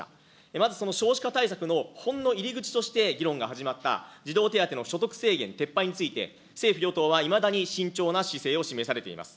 まずその少子化対策のほんの入り口として議論が始まった児童手当の所得制限撤廃について、政府・与党はいまだに慎重な姿勢を示されています。